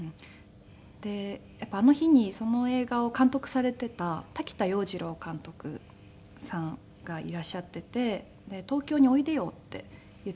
あの日にその映画を監督されていた滝田洋二郎監督さんがいらっしゃっていて「東京においでよ」って言ってくださって。